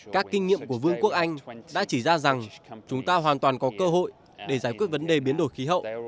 các kinh nghiệm của vương quốc anh đã chỉ ra rằng chúng ta hoàn toàn có cơ hội để giải quyết vấn đề biến đổi khí hậu